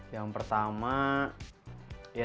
yang pertama ya